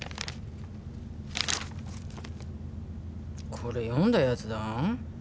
これ読んだやつだわ。